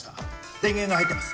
電源が入ってます。